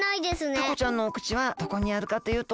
タコちゃんのお口はどこにあるかというと。